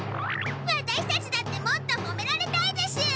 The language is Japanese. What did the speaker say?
ワタシたちだってもっとほめられたいでしゅ！